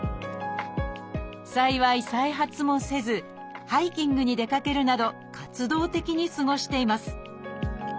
幸い再発もせずハイキングに出かけるなど活動的に過ごしています